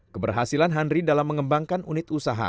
keberhasilan henry dalam mengembangkan unit usaha